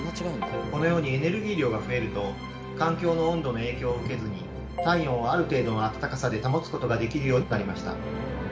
このようにエネルギー量が増えると環境の温度の影響を受けずに体温をある程度の温かさで保つことができるようになりました。